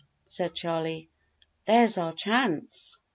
said Charley. "There's our chance."